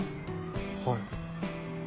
はい。